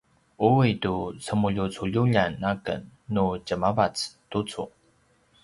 ui tu cemulucululjan aken nu djemavac tucu